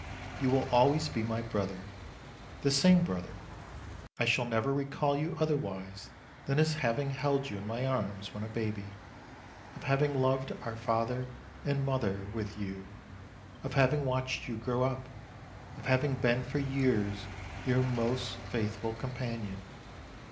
You will always be my brother, the same brother ; I shall never recall you 1 88 MARCH otherwise than as having held you in my arms when a baby, of having loved our father and mother with you, of having watched you grow up, of having been for years your most faithful companion.